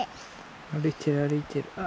歩いてる歩いてる。